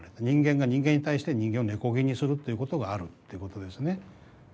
人間が人間に対して人間を「根こぎ」にするっていうことがあるってことですね。